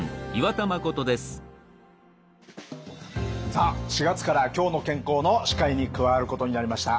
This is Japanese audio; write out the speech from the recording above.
さあ４月から「きょうの健康」の司会に加わることになりました